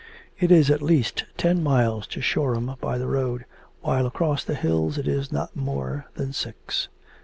It is at least ten miles to Shoreham by the road, while across the hills it is not more than six.'